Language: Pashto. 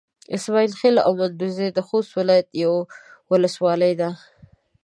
اسماعيل خېل او مندوزي د خوست ولايت يوه ولسوالي ده.